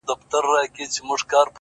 څه یې مسجد دی څه یې آذان دی;